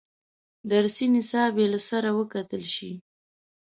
درسي نصاب یې له سره وکتل شي.